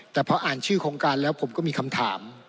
แต่พออ่านชื่อโครงการแล้วผมก็มีคำถาม